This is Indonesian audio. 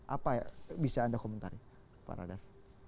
apa yang bisa anda komentari pak radar